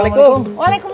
wah luar biasa cu cu